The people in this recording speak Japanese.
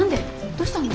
どうしたの？